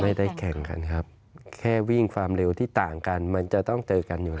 ไม่ได้แข่งกันครับแค่วิ่งความเร็วที่ต่างกันมันจะต้องเจอกันอยู่แล้วนะครับ